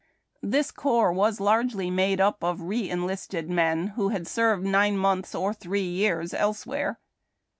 This corps was largely made up of re enlisted men, who had served nine months or three years elsewhere.